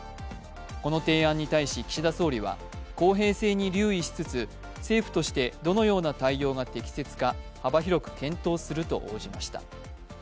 この提案に対し岸田総理は公平性に留意しつつ政府としてどのような対応が適切か、幅広く検討すると応じました。